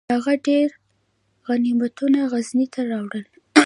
هغه ډیر غنیمتونه غزني ته راوړل.